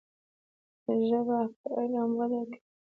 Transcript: ژبه په علم وده کوي.